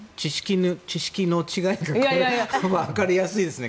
知識の違いというかわかりやすいですね。